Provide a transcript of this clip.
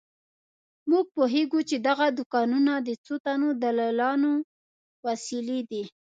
موږ پوهېږو چې دغه دوکانونه د څو تنو دلالانو وسیلې دي.